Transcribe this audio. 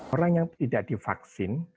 orang yang tidak divaksin